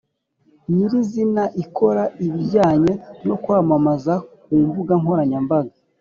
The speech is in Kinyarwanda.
nyiri izina ikora ibijyanye no kwamamaza ku mbuga nkoranyambaga.